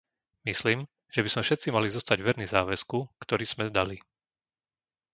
Myslím, že by sme všetci mali zostať verní záväzku, ktorý sme dali.